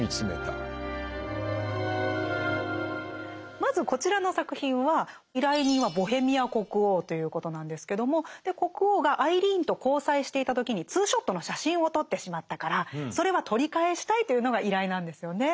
まずこちらの作品は依頼人はボヘミア国王ということなんですけども国王がアイリーンと交際していた時にツーショットの写真を撮ってしまったからそれは取り返したいというのが依頼なんですよね。